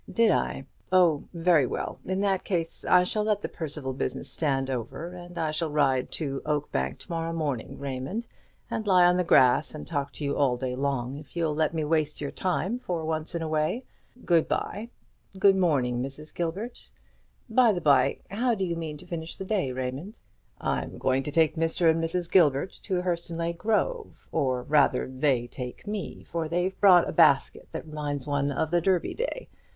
"Did I? Oh, very well; in that case I shall let the Percival business stand over; and I shall ride to Oakbank to morrow morning, Raymond, and lie on the grass and talk to you all day long, if you'll let me waste your time for once in a way. Good bye; good morning, Mrs. Gilbert. By the bye, how do you mean to finish the day, Raymond?" "I'm going to take Mr. and Mrs. Gilbert to Hurstonleigh Grove; or rather they take me, for they've brought a basket that reminds one of the Derby day.